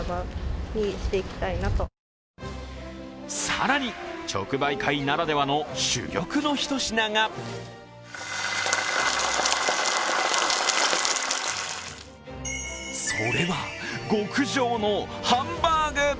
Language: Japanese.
更に直売会ならではの珠玉の一品がそれは、極上のハンバーグ。